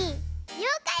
ようかい！